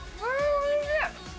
おいしい。